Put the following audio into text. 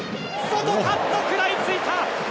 外カット食らいついた。